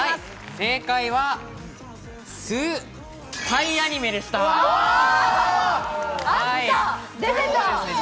正解は、スパイアニメでした。